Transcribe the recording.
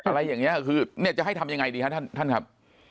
อะไรอย่างนี้คือเนี่ยจะให้ทำยังไงดีฮะท่านครับ